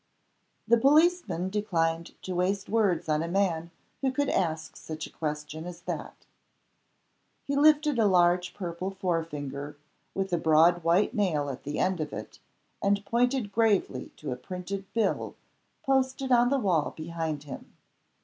The policeman declined to waste words on a man who could ask such a question as that. He lifted a large purple forefinger, with a broad white nail at the end of it, and pointed gravely to a printed Bill, posted on the wall behind him.